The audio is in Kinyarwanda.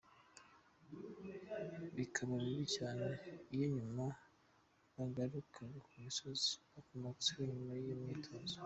Bikaba bibi cyane iyo nyuma bagarukaga ku misozi bakomotseho nyuma y’iyo myitozo.